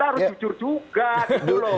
harus jujur juga gitu loh